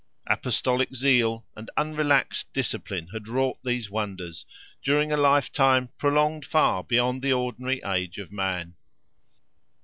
Apostolic zeal, and unrelaxed discipline had wrought these wonders, during a lifetime prolonged far beyond the ordinary age of man.